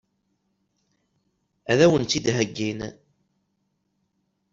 Ad wen-tt-id-heggin?